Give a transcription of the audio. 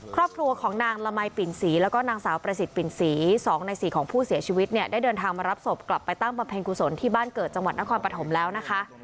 ครอบครัวของนางละมัยปิ่นศรีแล้วก็นางสาวประสิทธิ์ปิ่นศรี๒ใน๔ของผู้เสียชีวิตเนี่ยได้เดินทางมารับศพกลับไปตั้งบำเพ็ญกุศลที่บ้านเกิดจังหวัดนครปฐมแล้วนะคะ